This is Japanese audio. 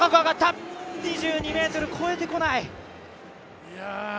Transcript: ２２ｍ超えてこない。